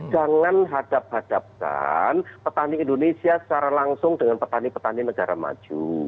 jangan hadap hadapkan petani indonesia secara langsung dengan petani petani negara maju